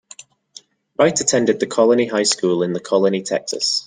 Wright attended The Colony High School in The Colony, Texas.